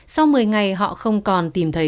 sau một mươi ngày họ không còn tìm thấy